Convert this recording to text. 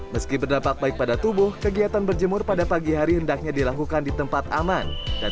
meski berdampak baik pada tubuh kegiatan berjemur pada pagi hari hendaknya dilakukan di tempat aman dan